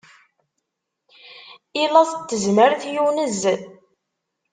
I laẓ n tezmert yunez.